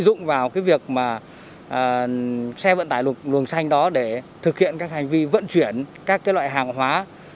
dùng vào cái việc mà xe vận tải luồng xanh đó để thực hiện các hành vi vận chuyển các cái loại hàng hóa